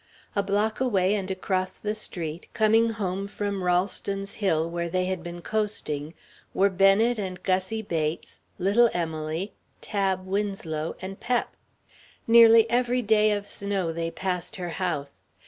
A block away, and across the street, coming home from Rolleston's hill where they had been coasting, were Bennet and Gussie Bates, little Emily, Tab Winslow, and Pep. Nearly every day of snow they passed her house.